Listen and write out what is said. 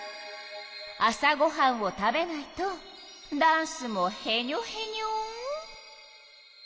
朝ごはんを食べないとダンスもヘニョヘニョ。